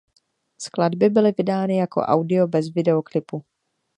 Skladby byly vydány jako audio bez videoklipu.